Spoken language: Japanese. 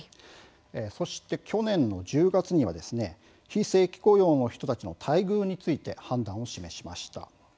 そして去年の１０月には非正規雇用の人たちの待遇についての判断を示しました。